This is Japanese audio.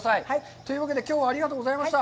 というわけで、きょうはありがとうございました。